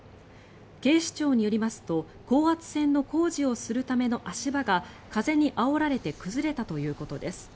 警視庁によりますと高圧線の工事をするための足場が風にあおられて崩れたということです。